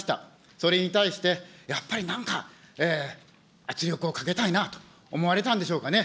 それに対してやっぱりなんか圧力をかけたいなと思われたんでしょうかね。